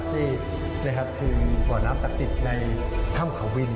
นี่คือบ่อน้ำศักดิ์สิทธิ์ในถ้ำเขาวิน